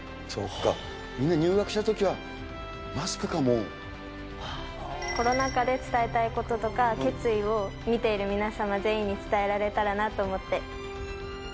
そっか、みんな入学したときコロナ禍で伝えたいこととか、決意を見ている皆様全員に伝えられたらなと思って。